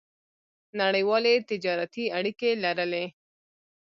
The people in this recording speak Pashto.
نړیوالې تجارتي اړیکې لرلې.